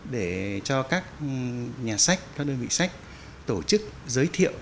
để cho các nhà sách các đơn vị sách tổ chức giới thiệu